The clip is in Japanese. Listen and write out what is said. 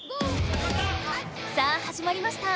さあはじまりました。